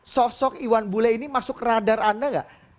sosok iwan bule ini masuk radar anda nggak